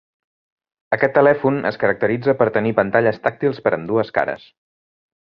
Aquest telèfon es caracteritza per tenir pantalles tàctils per ambdues cares.